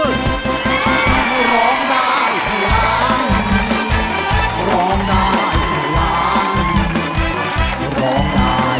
กว่าจะจบรายการเนี่ย๔ทุ่มมาก